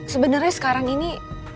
sebenernya sekarang ini